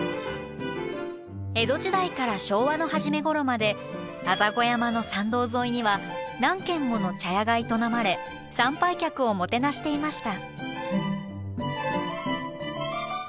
江戸時代から昭和の初め頃まで愛宕山の参道沿いには何軒もの茶屋が営まれ参拝客をもてなしていました。